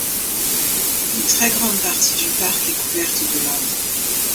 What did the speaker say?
Une très grande partie du parc est couverte de landes.